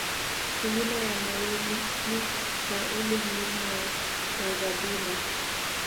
Milima ya Maweni na ule Mlima wa Mazabula